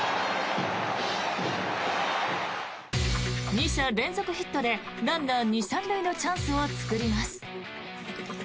２者連続ヒットでランナー２・３塁のチャンスを作ります。